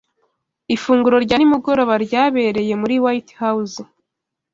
Ifunguro rya nimugoroba ryabereye muri White House.